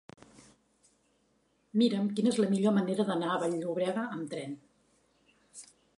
Mira'm quina és la millor manera d'anar a Vall-llobrega amb tren.